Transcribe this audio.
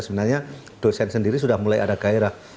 sebenarnya dosen sendiri sudah mulai ada gairah